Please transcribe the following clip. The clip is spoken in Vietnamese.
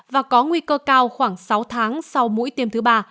và có nguy cơ cao khoảng sáu tháng sau bệnh